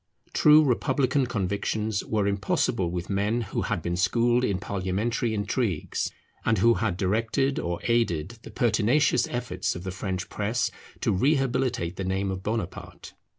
True republican convictions were impossible with men who had been schooled in parliamentary intrigues, and who had directed or aided the pertinacious efforts of the French press to rehabilitate the name of Bonaparte.